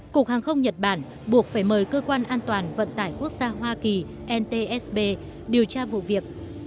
cục hàng không nhật bản buộc phải mời cơ quan an toàn vận tải quốc gia hoa kỳ ntsb điều tra vụ việc